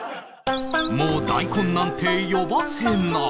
もう大根なんて呼ばせない